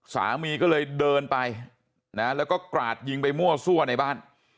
สามีก็เลยเดินไปนะแล้วก็กราดยิงไปมั่วซั่วในบ้าน